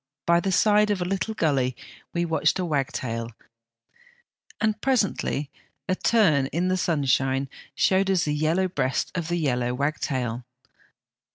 By the side of a little gully we watched a wag tail, and presently a turn in the sunshine showed us the yellow breast of the yellow wagtail.